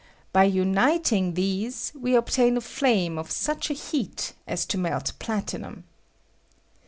By nniting these we obtain a flame of such a heat as to melt platinum.